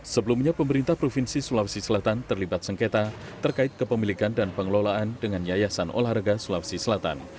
sebelumnya pemerintah provinsi sulawesi selatan terlibat sengketa terkait kepemilikan dan pengelolaan dengan yayasan olahraga sulawesi selatan